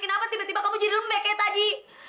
kenapa tiba tiba kamu jadi lembek kayak tadi